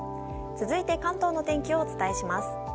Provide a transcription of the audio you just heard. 続いて関東の天気をお伝えします。